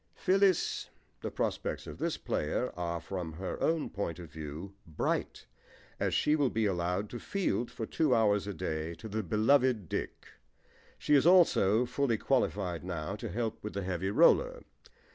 PHYLLIS The prospects of this player are, from her own point of view, bright, as she will be allowed to field for two hours a day to the beloved Dick. She is also fully qualified now to help with the heavy roller.